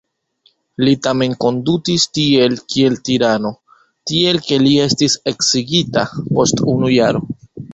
Li tamen kondutis tie kiel tirano, tiel ke li estis eksigita post unu jaro.